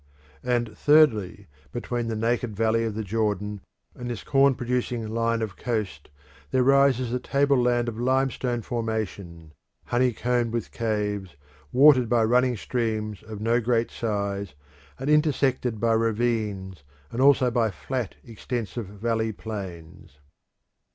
And thirdly, between the naked valley of the Jordan and this corn producing line of coast there rises a tableland of limestone formation, honeycombed with caves, watered by running streams of no great size, and intersected by ravines and also by flat, extensive valley plains.